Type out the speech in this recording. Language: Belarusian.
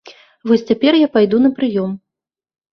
Вось цяпер я пайду на прыём.